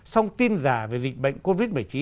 song tin giả về dịch bệnh covid một mươi chín